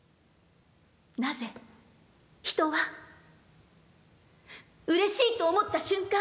なぜ人はうれしいと思った瞬間